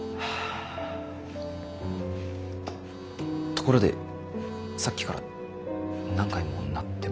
ところでさっきから何回も鳴ってますけど。